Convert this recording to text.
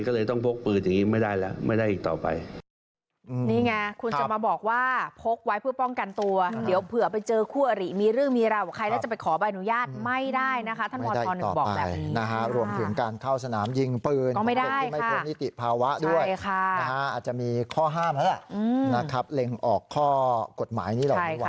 ก็เลยต้องพกปืนอย่างนี้ไม่ได้แล้วไม่ได้อีกต่อไป